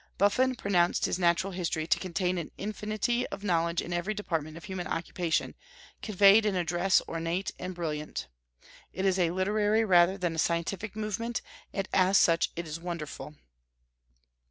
Buffon pronounced his Natural History to contain an infinity of knowledge in every department of human occupation, conveyed in a dress ornate and brilliant. It is a literary rather than a scientific monument, and as such it is wonderful.